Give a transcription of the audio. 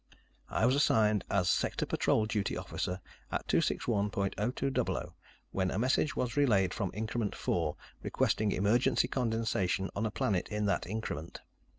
I was assigned as Sector Patrol Duty Officer at 261.0200, when a message was relayed from Increment Four, requesting emergency condensation on a planet in that increment.